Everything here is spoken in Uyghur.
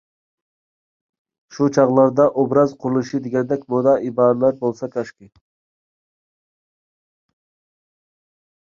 شۇ چاغلاردا «ئوبراز قۇرۇلۇشى» دېگەندەك مودا ئىبارىلەر بولسا كاشكى.